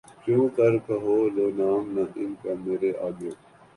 کیوں کر کہوں لو نام نہ ان کا مرے آگے